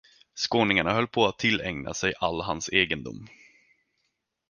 Skåningarna höll på att tillägna sig all hans egendom.